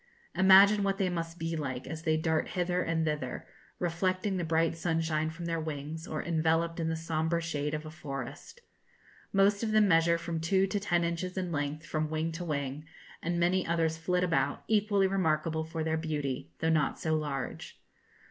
Imagine what they must be like, as they dart hither and thither, reflecting the bright sunshine from their wings, or enveloped in the sombre shade of a forest. Most of them measure from two to ten inches in length from wing to wing, and many others flit about, equally remarkable for their beauty, though not so large.